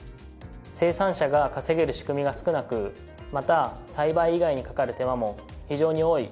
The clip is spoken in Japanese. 生産者が稼げる仕組みが少なくまた栽培以外にかかる手間も非常に多い。